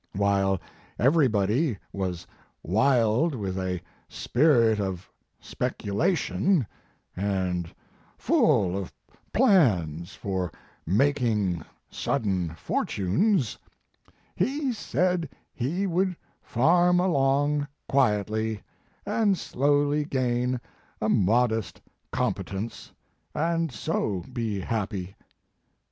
While everybody was wild with a spirit of spec ulation, and full of plans for making sud den fortunes, he said he would farm along quietly, and slowly gain a modest competence, and so be happy.